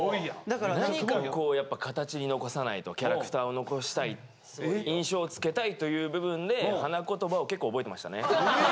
何かこうやっぱ形に残さないとキャラクターを残したい印象をつけたいという部分で花言葉を結構覚えてましたね。